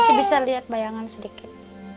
masih bisa lihat bayangan sedikit